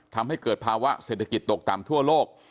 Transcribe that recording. ทำให้เกิดภาวะเศรษฐกิจตกต่ำทั่วโลก